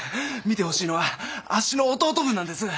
診てほしいのはあっしの弟分なんです。